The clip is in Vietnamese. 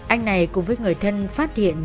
anh này cùng với người thân phát hiện